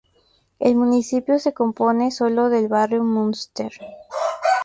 El municipio se compone sólo del barrio Munster.